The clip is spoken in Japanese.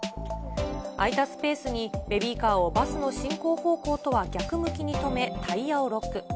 空いたスペースにベビーカーをバスの進行方向とは逆向きに止め、タイヤをロック。